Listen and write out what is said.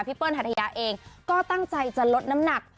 เปิ้ลหัทยาเองก็ตั้งใจจะลดน้ำหนัก